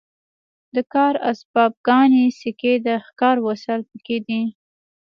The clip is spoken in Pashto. د کار اسباب ګاڼې سکې د ښکار وسایل پکې دي.